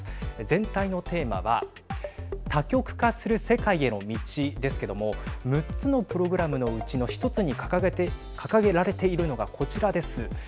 全体のテーマは多極化する世界への道ですけども６つのプログラムのうちの１つに掲げられているのがこちらです。